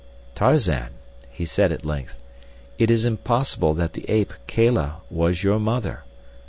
"Tarzan," he said at length, "it is impossible that the ape, Kala, was your mother.